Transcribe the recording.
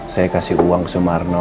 saya kasih uang sumarno